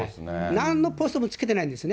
なんのポストもつけてないんですね。